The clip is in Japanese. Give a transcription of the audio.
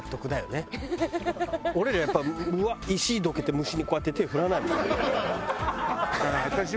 俺らやっぱ石どけて虫にこうやって手振らないもん。